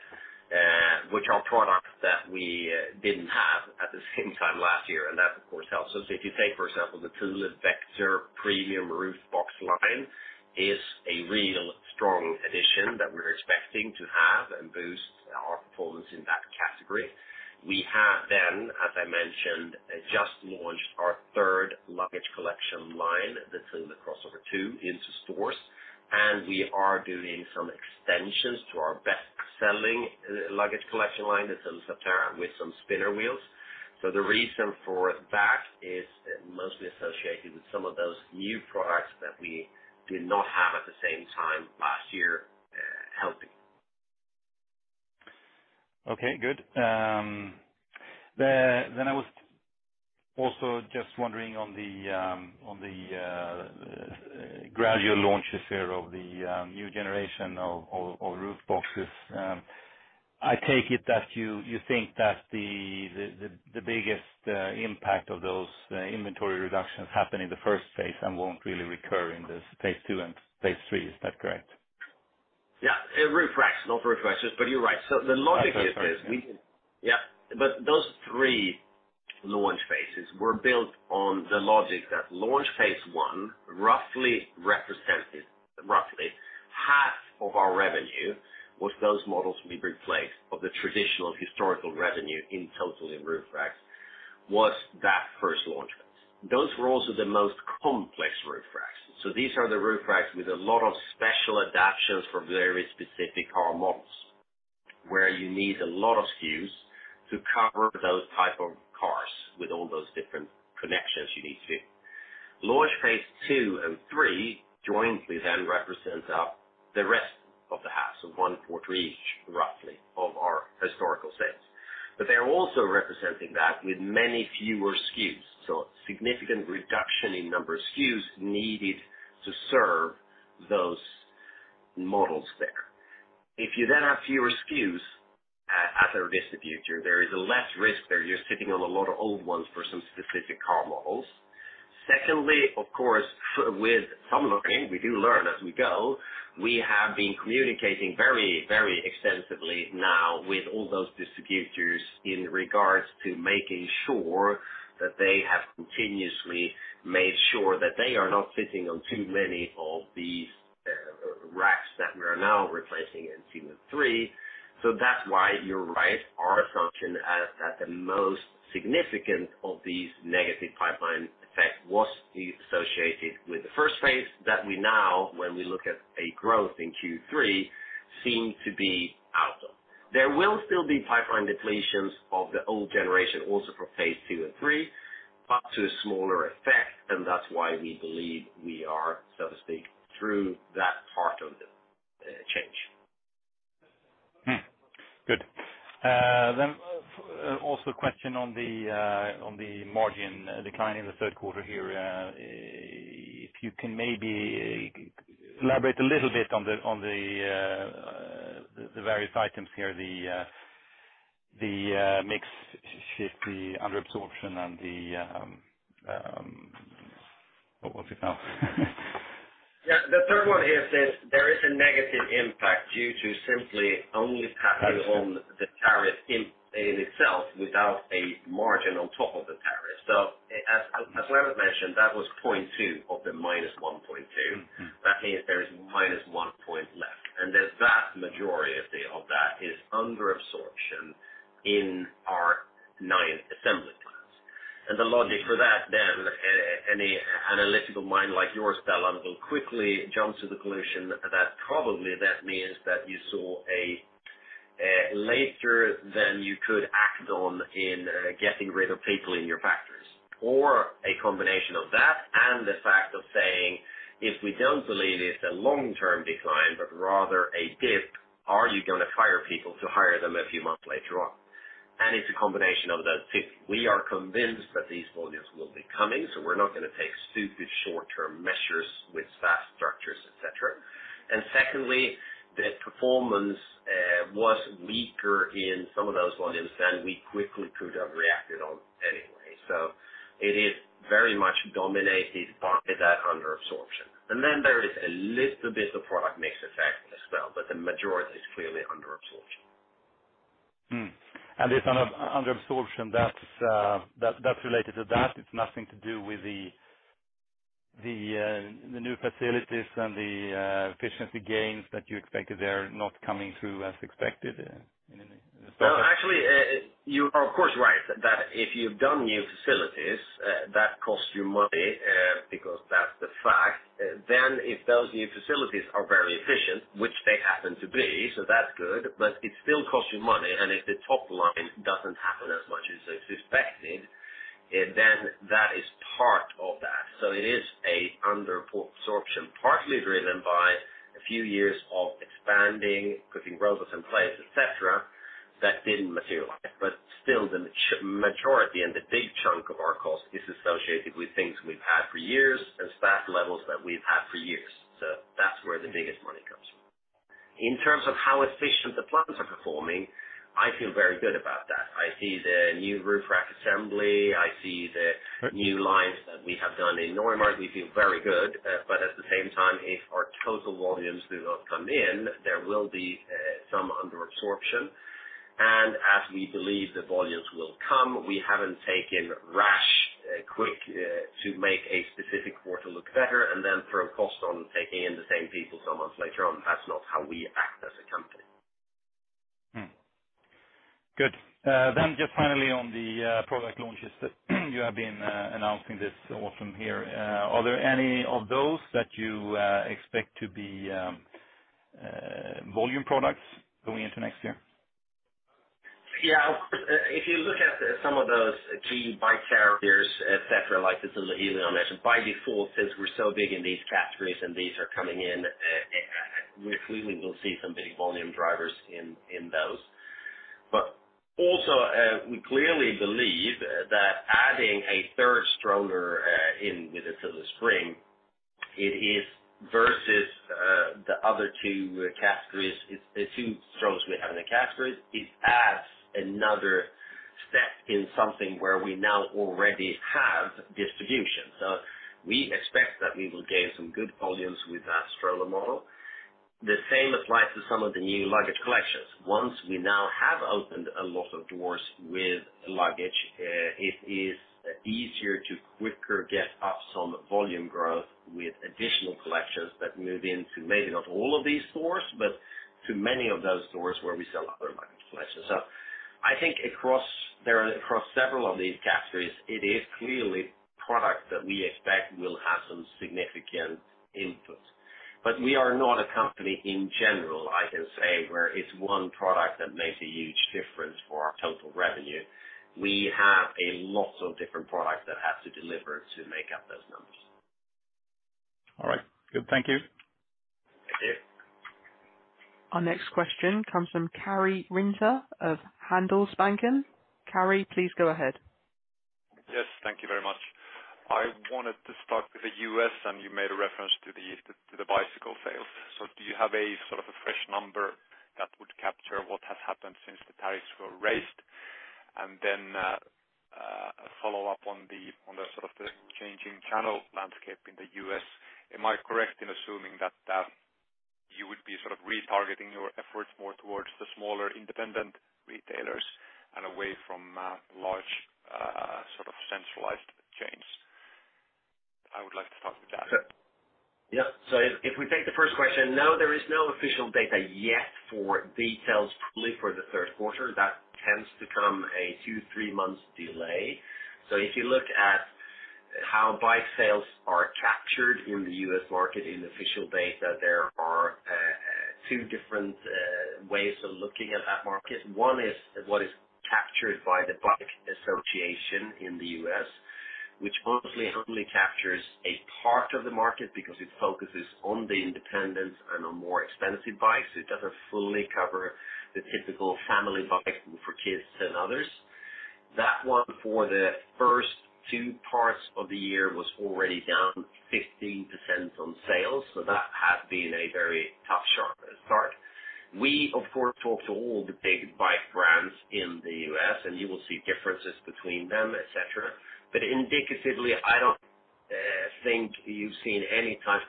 which are products that we didn't have at the same time last year, and that of course, helps us. If you take, for example, the Thule Vector premium roof box line is a real strong addition that we're expecting to have and boost our performance in that category. We have then, as I mentioned, just launched our third luggage collection line, the Thule Crossover 2 into stores. We are doing some extensions to our best-selling luggage collection line, the Thule Subterra with some spinner wheels. the reason for that is mostly associated with some of those new products that we did not have at the same time last year helping. Okay, good. I was also just wondering on the gradual launches here of the new generation of roof boxes. I take it that you think that the biggest impact of those inventory reductions happen in the first phase and won't really recur in this phase 2 and phase 3. Is that correct? Yeah. A roof rack, not roof racks, but you're right. the logic is this- Sorry. Yeah. those three launch phases were built on the logic that launch phase 1 roughly represents roughly 1/2 of our revenue with those models we replaced of the traditional historical revenue in total in roof racks was that first launch phase. Those were also the most complex roof racks. these are the roof racks with a lot of special adaptations for very specific car models, where you need a lot of SKUs to cover those type of cars with all those different connections you need to. Launch phase 2 and 3 jointly then represents the rest of the halves, 1/4 each roughly of our historical sales. they are also representing that with many fewer SKUs. significant reduction in number of SKUs needed to serve those models there. If you then have fewer SKUs at a distributor, there is less risk there. You're sitting on a lot of old ones for some specific car models. Secondly, of course, with some learning, we do learn as we go. We have been communicating very extensively now with all those distributors in regards to making sure that they have continuously made sure that they are not sitting on too many of these racks that we are now replacing in Q3. That's why you're right, our assumption is that the most significant of these negative pipeline effect was associated with the first phase that we now, when we look at a growth in Q3, seem to be out of. There will still be pipeline depletions of the old generation also for phase 2 and 3, but to a smaller effect, and that's why we believe we are, so to speak, through that part of the change. Good. also a question on the margin decline in the third quarter here. If you can maybe elaborate a little bit on the various items here, the mix shift, the under absorption and the, what was it now? Yeah. The third one is, there is a negative impact due to simply only having- I see the tariff in itself without a margin on top of the tariff. As Lennart mentioned, that was 0.2 of the -1.2. That means there is -1 point left, and the vast majority of that is under absorption in our nine assembly plants. The logic for that then, any analytical mind like yours, Stellan, will quickly jump to the conclusion that probably that means that you saw a later than you could act on in getting rid of people in your factories. A combination of that and the fact of saying, "If we don't believe it's a long-term decline but rather a dip, are you going to fire people to hire them a few months later on?" It's a combination of those two. We are convinced that these volumes will be coming, so we're not going to take stupid short-term measures with staff structures, et cetera. Secondly, the performance was weaker in some of those volumes than we quickly could have reacted on anyway. it is very much dominated by that under absorption. there is a little bit of product mix effect as well, but the majority is clearly under absorption. This under absorption, that's related to that. It's nothing to do with the new facilities and the efficiency gains that you expected there not coming through as expected in any- No, actually, you are of course right, that if you've done new facilities, that costs you money, because that's the fact. if those new facilities are very efficient, which they happen to be, so that's good, but it still costs you money. if the top line doesn't happen as much as is expected, then that is part of that. it is a under absorption, partly driven by a few years of expanding, putting robots in place, et cetera, that didn't materialize. still the majority and the big chunk of our cost is associated with things we've had for years and staff levels that we've had for years. that's where the biggest money comes from. In terms of how efficient the plants are performing, I feel very good about that. I see the new roof rack assembly, I see the new lines that we have done in Normark. We feel very good. At the same time, if our total volumes do not come in, there will be some under absorption. As we believe the volumes will come, we haven't taken rash quick to make a specific quarter look better and then throw cost on taking in the same people some months later on. That's not how we act as a company. Good. Just finally on the product launches that you have been announcing this autumn here. Are there any of those that you expect to be volume products going into next year? Yeah, of course. If you look at some of those key bike carriers, et cetera, like the Thule EasyFold I mentioned, by default, since we're so big in these categories and these are coming in, we clearly will see some big volume drivers in those. Also, we clearly believe that adding a third stroller in with the Thule Spring, it is versus the other two categories, the two strollers we have in the categories, it adds another step in something where we now already have distribution. We expect that we will gain some good volumes with that stroller model. The same applies to some of the new luggage collections. Once we now have opened a lot of doors with luggage, it is easier to quicker get up some volume growth with additional collections that move into maybe not all of these stores, but to many of those stores where we sell other luggage collections. I think across several of these categories, it is clearly product that we expect will have some significant input. We are not a company in general, I can say, where it's one product that makes a huge difference for our total revenue. We have a lot of different products that have to deliver to make up those numbers. All right. Good. Thank you. Thank you. Our next question comes from Kari Rinta of Handelsbanken. Kari, please go ahead. Yes, thank you very much. I wanted to start with the U.S. You made a reference to the bicycle sales. Do you have a sort of a fresh number that would capture what has happened since the tariffs were raised? Then, a follow-up on the sort of the changing channel landscape in the U.S. Am I correct in assuming that the U.S. is retargeting your efforts more towards the smaller independent retailers and away from large centralized chains. I would like to start with that. Yeah. If we take the first question, no, there is no official data yet for details, probably for the third quarter. That tends to come a two, three months delay. If you look at how bike sales are captured in the U.S. market in official data, there are two different ways of looking at that market. One is what is captured by the Bike Association in the U.S., which obviously only captures a part of the market because it focuses on the independents and on more expensive bikes. It doesn't fully cover the typical family bike for kids and others. That one for the first two parts of the year was already down 15% on sales, so that has been a very tough start. We, of course, talk to all the big bike brands in the U.S., and you will see differences between them, et cetera. Indicatively, I don't think you've seen any type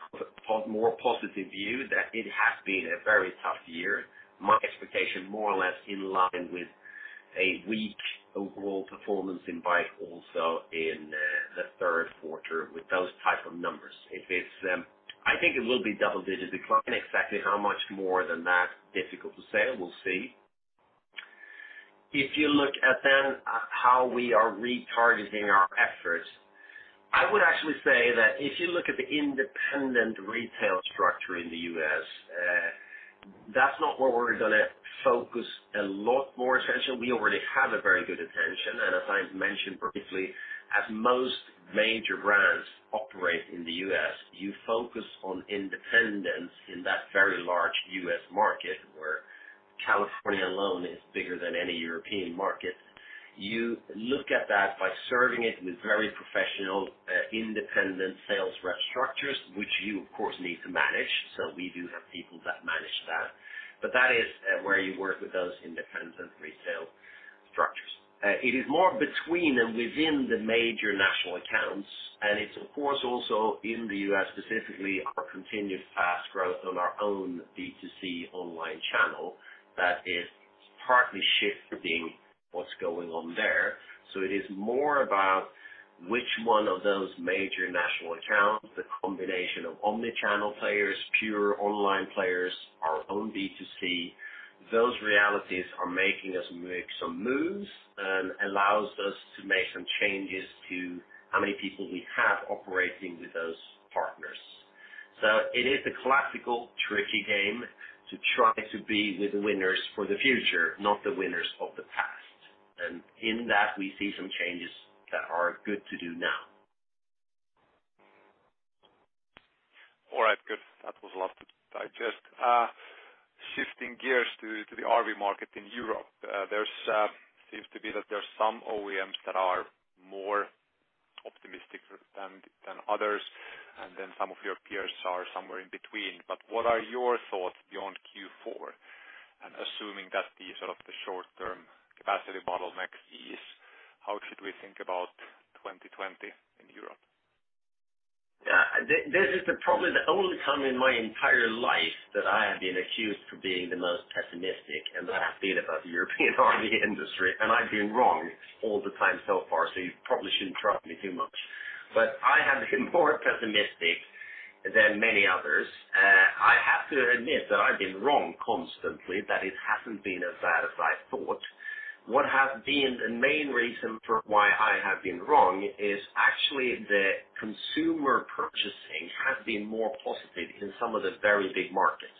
of more positive view, that it has been a very tough year. My expectation, more or less in line with a weak overall performance in bike, also in the third quarter with those type of numbers. I think it will be double-digit decline. Exactly how much more than that, difficult to say. We'll see. If you look at then how we are retargeting our efforts, I would actually say that if you look at the independent retail structure in the U.S., that's not where we're going to focus a lot more attention. We already have a very good attention, and as I mentioned briefly, as most major brands operate in the U.S., you focus on independents in that very large U.S. market, where California alone is bigger than any European market. You look at that by serving it with very professional, independent sales rep structures, which you, of course, need to manage. We do have people that manage that. That is where you work with those independent retail structures. It is more between and within the major national accounts, and it's, of course, also in the U.S. specifically our continued fast growth on our own B2C online channel that is partly shifting what's going on there. It is more about which one of those major national accounts, the combination of omni-channel players, pure online players, our own B2C. Those realities are making us make some moves and allows us to make some changes to how many people we have operating with those partners. It is a classical, tricky game to try to be with the winners for the future, not the winners of the past. In that, we see some changes that are good to do now. All right. Good. That was a lot to digest. Shifting gears to the RV market in Europe. Seems to be that there's some OEMs that are more optimistic than others, and then some of your peers are somewhere in between. What are your thoughts beyond Q4? Assuming that the short-term capacity bottleneck ease, how should we think about 2020 in Europe? This is probably the only time in my entire life that I have been accused for being the most pessimistic, and that I've been about the European RV industry, and I've been wrong all the time so far. You probably shouldn't trust me too much. I have been more pessimistic than many others. I have to admit that I've been wrong constantly, that it hasn't been as bad as I thought. What has been the main reason for why I have been wrong is actually the consumer purchasing has been more positive in some of the very big markets.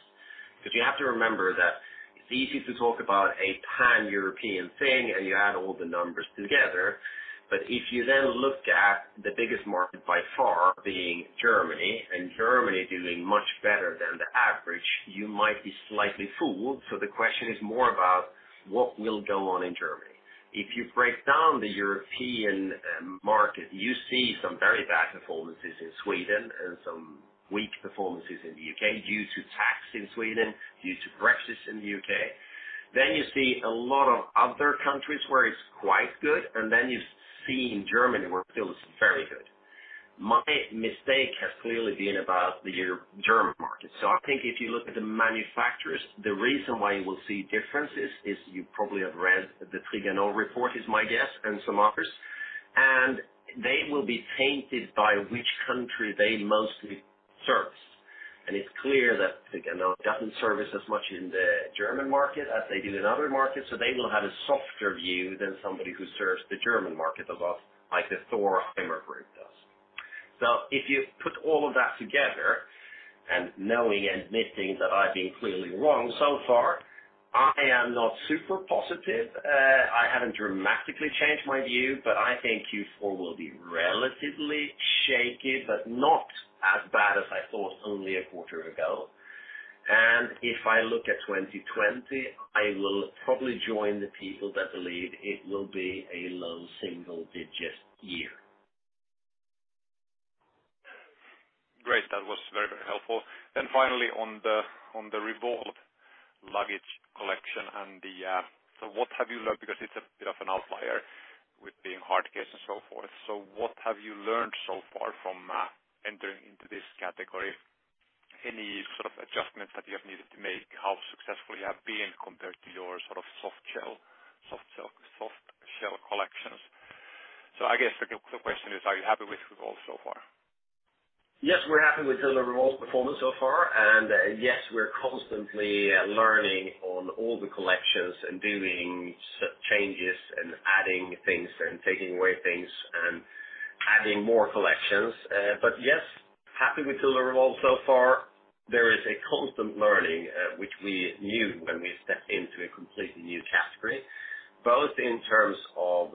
You have to remember that it's easy to talk about a pan-European thing, and you add all the numbers together. If you then look at the biggest market by far being Germany, and Germany doing much better than the average, you might be slightly fooled. The question is more about what will go on in Germany. If you break down the European market, you see some very bad performances in Sweden and some weak performances in the U.K. due to tax in Sweden, due to Brexit in the U.K. You see a lot of other countries where it's quite good, and then you see in Germany where it feels very good. My mistake has clearly been about the German market. I think if you look at the manufacturers, the reason why you will see differences is you probably have read the Trigano report is my guess, and some others, and they will be tainted by which country they mostly service. It's clear that Trigano doesn't service as much in the German market as they do in other markets. They will have a softer view than somebody who serves the German market a lot, like the Thor Industries group does. If you put all of that together, and knowing, admitting that I've been clearly wrong so far, I am not super positive. I haven't dramatically changed my view, but I think Q4 will be relatively shaky, but not as bad as I thought only a quarter ago. If I look at 2020, I will probably join the people that believe it will be a low single digit year. Great. That was very helpful. Finally, on the Revolve luggage collection. Because it's a bit of an outlier with being hard case and so forth, so what have you learned so far from entering into this category? Any sort of adjustments that you have needed to make, how successful you have been compared to your sort of Soft-Sided collections? So I guess the question is, are you happy with Revolve so far? Yes, we're happy with the Revolve performance so far. Yes, we're constantly learning on all the collections and doing changes and adding things and taking away things and adding more collections. Yes, happy with Thule Revolve so far. There is a constant learning, which we knew when we stepped into a completely new category, both in terms of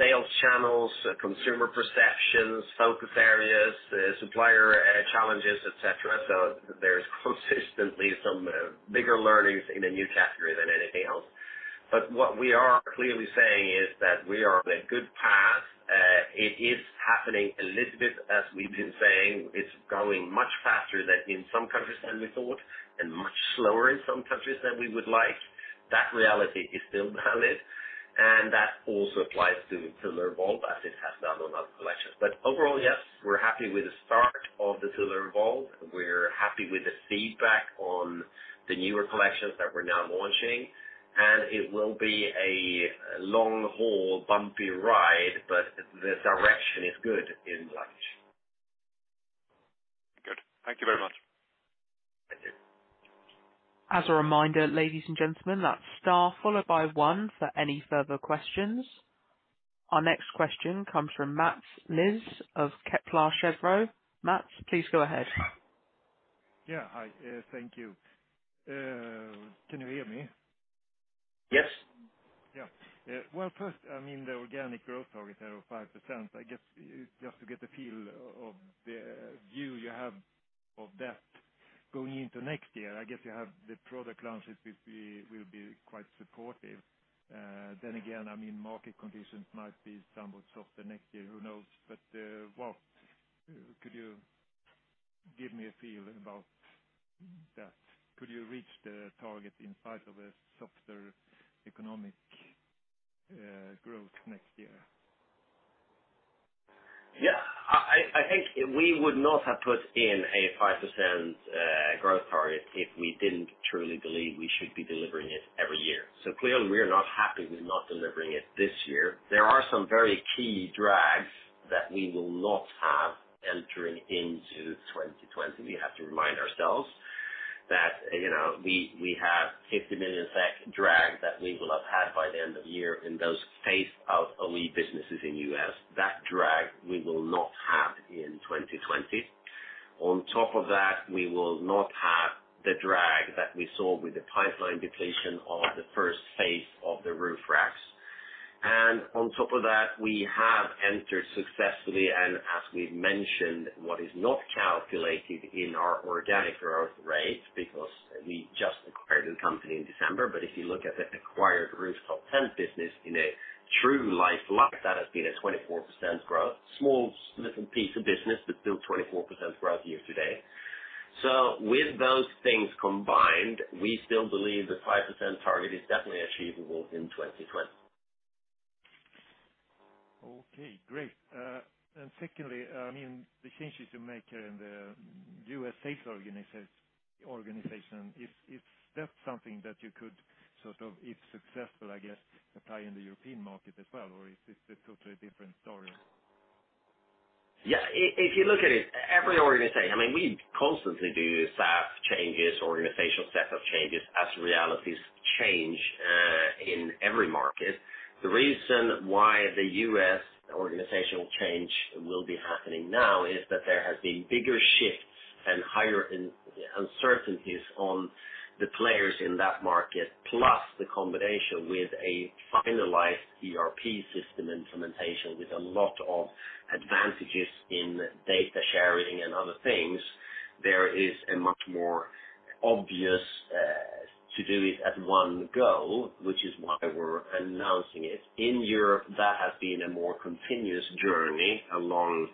sales channels, consumer perceptions, focus areas, supplier challenges, et cetera. There's consistently some bigger learnings in a new category than anything else. What we are clearly saying is that we are on a good path. It is happening a little bit, as we've been saying. It's going much faster in some countries than we thought, and much slower in some countries than we would like. That reality is still valid, and that also applies to Thule Revolve as it has done on other collections. overall, yes, we're happy with the start of the Thule Revolve. We're happy with the feedback on the newer collections that we're now launching, and it will be a long haul, bumpy ride, but the direction is good in that. Good. Thank you very much. Thank you. As a reminder, ladies and gentlemen, that's star followed by one for any further questions. Our next question comes from Mats Liss of Kepler Cheuvreux. Mats, please go ahead. Yeah. Hi. Thank you. Can you hear me? Yes. Yeah. Well, first, the organic growth target there of 5%, I guess, just to get a feel of the view you have of that going into next year. I guess you have the product launches which will be quite supportive. again, market conditions might be somewhat softer next year. Who knows? what could you give me a feel about that? Could you reach the target in spite of a softer economic growth next year? Yeah. I think we would not have put in a 5% growth target if we didn't truly believe we should be delivering it every year. Clearly we are not happy with not delivering it this year. There are some very key drags that we will not have entering into 2020. We have to remind ourselves that we have 50 million SEK drag that we will have had by the end of the year in those phase-out only businesses in U.S. That drag we will not have in 2020. On top of that, we will not have the drag that we saw with the pipeline depletion of the first phase of the roof racks. On top of that, we have entered successfully, and as we've mentioned, what is not calculated in our organic growth rate because we just acquired the company in December, but if you look at the acquired rooftop tent business in Thule Tepui, that has been a 24% growth. Small, little piece of business, but still 24% growth year to date. With those things combined, we still believe the 5% target is definitely achievable in 2020. Okay, great. Secondly, the changes you make in the U.S. sales organization, is that something that you could sort of, if successful, I guess, apply in the European market as well, or is this a totally different story? Yeah. If you look at it, every organization, we constantly do staff changes, organizational setup changes as realities change, in every market. The reason why the US organizational change will be happening now is that there has been bigger shifts and higher uncertainties on the players in that market, plus the combination with a finalized ERP system implementation with a lot of advantages in data sharing and other things. There is a much more obvious to do it at one go, which is why we're announcing it. In Europe, that has been a more continuous journey along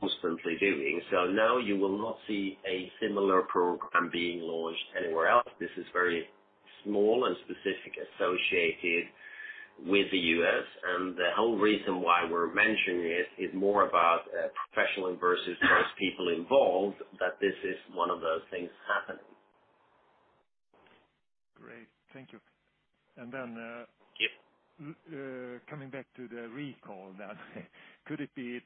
constantly doing. Now you will not see a similar program being launched anywhere else. This is very small and specific associated with the US, and the whole reason why we're mentioning it is more about professional versus most people involved, that this is one of those things happening. Great. Thank you. Yep coming back to the recall now, could it be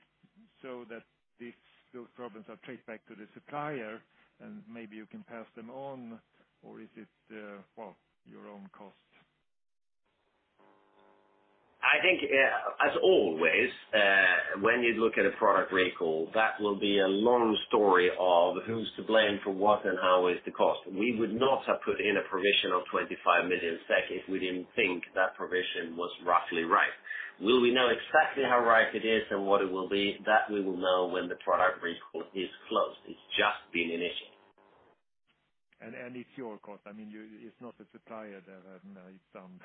so that if those problems are traced back to the supplier, and maybe you can pass them on, or is it your own cost? I think, as always, when you look at a product recall, that will be a long story of who's to blame for what and how is the cost. We would not have put in a provision of 25 million SEK if we didn't think that provision was roughly right. Will we know exactly how right it is and what it will be? That we will know when the product recall is closed. It's just been initiated. it's your cost. It's not the supplier that have done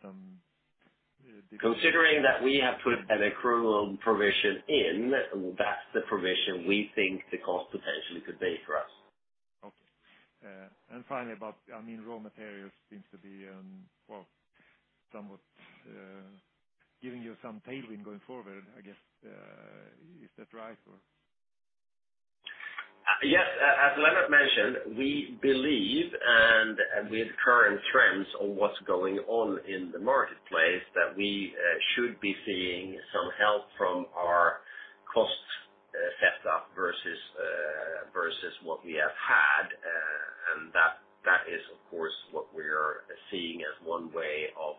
some- Considering that we have put an accrual provision in, that's the provision we think the cost potentially could be for us. Okay. finally about, raw materials seems to be somewhat giving you some tailwind going forward, I guess. Is that right? Yes. As Lennart mentioned, we believe, and with current trends on what's going on in the marketplace, that we should be seeing some help from our cost set up versus what we have had. That is, of course, what we are seeing as one way of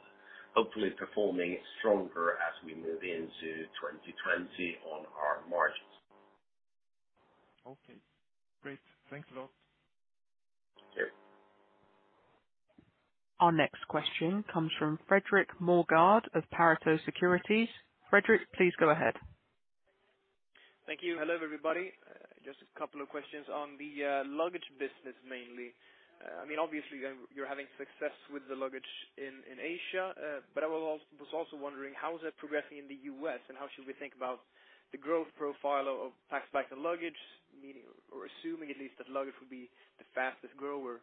hopefully performing stronger as we move into 2020 on our margins. Okay, great. Thanks a lot. Sure. Our next question comes from Fredrik Moregård of Pareto Securities. Fredrik, please go ahead. Thank you. Hello, everybody. Just a couple of questions on the luggage business mainly. Obviously, you're having success with the luggage in Asia. I was also wondering how is that progressing in the U.S., and how should we think about the growth profile of packs, bags and luggage? Meaning or assuming at least that luggage will be the fastest grower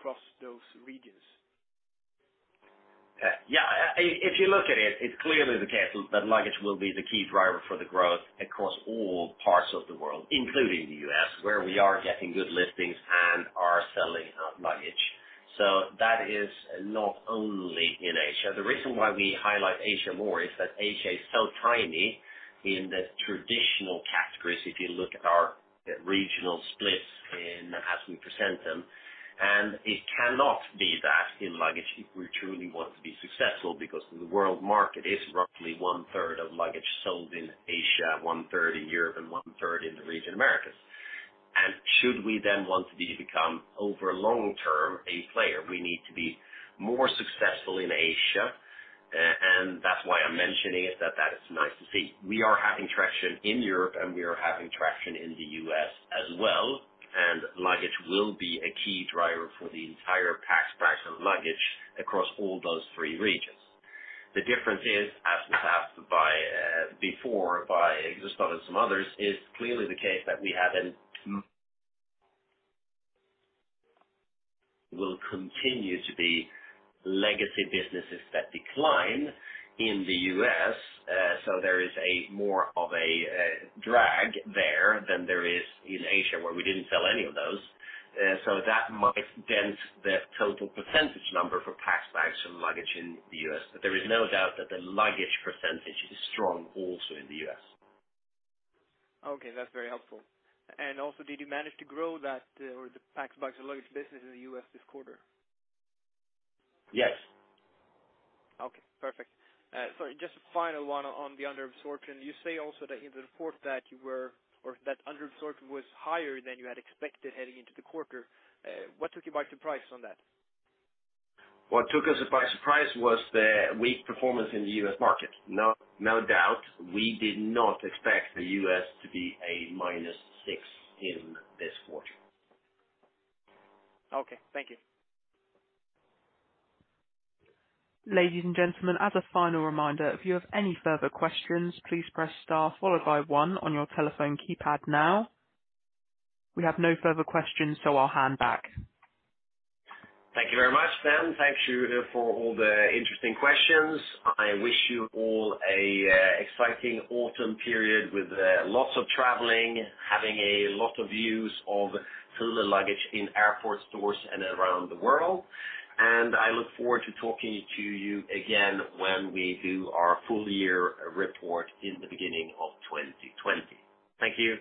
across those regions. Yeah. If you look at it's clearly the case that luggage will be the key driver for the growth across all parts of the world, including the U.S., where we are getting good listings and are selling our luggage. That is not only in Asia. The reason why we highlight Asia more is that Asia is so tiny in the traditional categories if you look at our regional splits as we present them. It cannot be that in luggage if we truly want to be successful because the world market is roughly 1/3 of luggage sold in Asia, 1/3 in Europe, and 1/3 in the region Americas. Should we then want to become, over long-term, a player, we need to be more successful in Asia, and that's why I'm mentioning it, that is nice to see. We are having traction in Europe, and we are having traction in the U.S. as well, and luggage will be a key driver for the entire packs, bags, and luggage across all those three regions. The difference is, as was asked before by and some others, is clearly the case that will continue to be legacy businesses that decline in the U.S. There is a more of a drag there than there is in Asia, where we didn't sell any of those. That might dent the total percentage number for packs, bags, and luggage in the U.S. There is no doubt that the luggage percentage is strong also in the U.S. Okay, that's very helpful. also, did you manage to grow that or the packs, bags, and luggage business in the U.S. this quarter? Yes. Okay, perfect. Sorry, just a final one on the underabsorption. You say also that in the report that you were, or that underabsorption was higher than you had expected heading into the quarter. What took you by surprise on that? What took us by surprise was the weak performance in the U.S. market. No doubt. We did not expect the U.S. to be a minus six in this quarter. Okay. Thank you. Ladies and gentlemen, as a final reminder, if you have any further questions, please press star followed by one on your telephone keypad now. We have no further questions, so I'll hand back. Thank you very much then. Thank you for all the interesting questions. I wish you all a exciting autumn period with lots of traveling, having a lot of use of Thule luggage in airport stores and around the world. I look forward to talking to you again when we do our full year report in the beginning of 2020. Thank you.